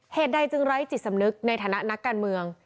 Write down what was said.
เหตุใดจึงไร้จิตสำนึกในฐานะนักการเมือง